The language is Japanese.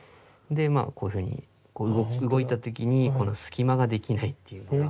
でまあこういうふうに動いた時に隙間ができないっていうか。